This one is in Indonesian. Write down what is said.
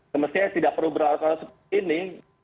semestinya tidak perlu beralasan seperti ini